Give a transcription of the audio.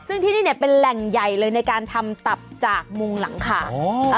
ซึ่งที่นี่เนี่ยเป็นแหล่งใหญ่เลยในการทำตับจากมุงหลังคา